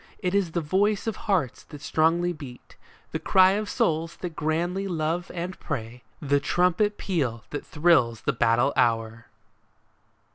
It is the voice of hearts that strongly beat, The cry of souls that grandly love and pray, The trumpet peal that thrills the battle hour